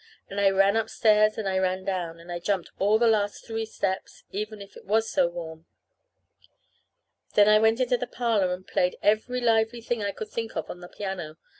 And I ran upstairs and I ran down; and I jumped all the last three steps, even if it was so warm. Then I went into the parlor and played every lively thing that I could think of on the piano.